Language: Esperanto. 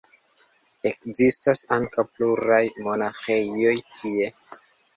Ekzistas ankaŭ pluraj monaĥejoj tie.